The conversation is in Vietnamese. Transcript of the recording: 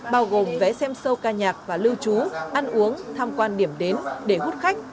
bao gồm vé xem sâu ca nhạc và lưu trú ăn uống tham quan điểm đến để hút khách